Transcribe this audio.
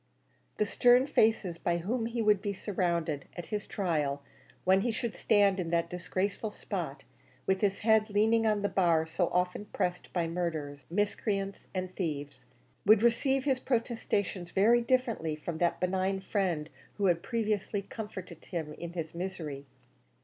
The stern faces by whom he would be surrounded at his trial when he should stand in that disgraceful spot, with his head leaning on that bar so often pressed by murderers, miscreants, and thieves would receive his protestations very differently from that benign friend who had previously comforted him in his misery.